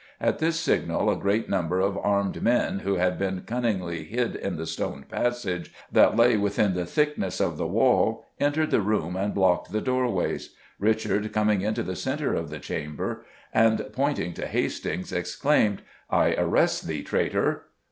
At this signal a great number of armed men, who had been cunningly hid in the stone passage that lay within the thickness of the wall, entered the room and blocked the doorways. Richard, coming into the centre of the chamber and pointing to Hastings, exclaimed, "I arrest thee, traitor!"